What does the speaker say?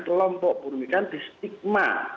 kelompok buru migran di stigma